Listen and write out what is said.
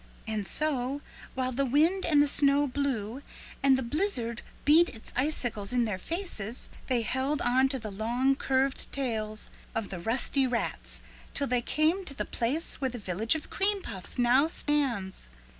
"'And so, while the wind and the snow blew and the blizzard beat its icicles in their faces, they held on to the long curved tails of the rusty rats till they came to the place where the Village of Cream Puffs now stands.